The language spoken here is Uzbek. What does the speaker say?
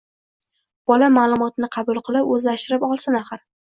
– bola ma’lumotni qabul qilib, o‘zlashtirib olsin, axir.